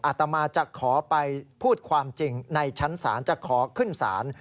อาตมาจะขอไปพูดความจริงในชั้นศาลจะขอขึ้นศาล